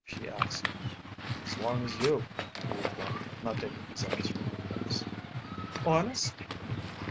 she asked. "As long as you," he replied, not taking his eyes from her face. "Honest?"